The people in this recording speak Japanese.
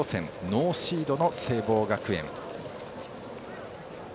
ノーシードの聖望学園。